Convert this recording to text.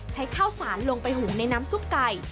ข้าวสารลงไปหุงในน้ำซุปไก่